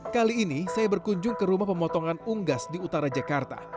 kali ini saya berkunjung ke rumah pemotongan unggas di utara jakarta